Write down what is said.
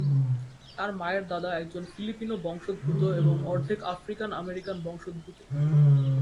তার মায়ের দাদা একজন ফিলিপিনো বংশোদ্ভূত এবং অর্ধেক আফ্রিকান-আমেরিকান বংশোদ্ভূত।